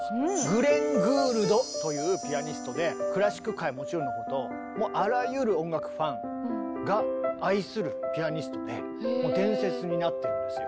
グレン・グールドというピアニストでクラシック界はもちろんのこともうあらゆる音楽ファンが愛するピアニストでもう伝説になってるんですよ。